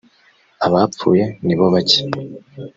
abapfuye nibo bake.